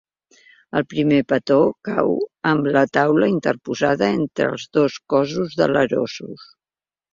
El primer petó cau amb la taula interposada entre els dos cossos delerosos.